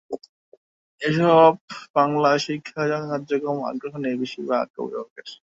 কিন্তু এসব বাংলা স্কুলের শিক্ষা কার্যক্রমে আগ্রহ নেই বেশির ভাগ অভিভাবকের।